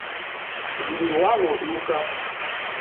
Mdi ghwawuduka